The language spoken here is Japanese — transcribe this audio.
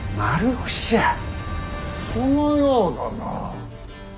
そのようだな。